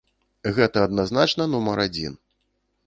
Гэта адназначна нумар адзін.